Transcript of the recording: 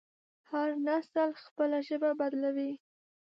هر نسل خپله ژبه بدلوي.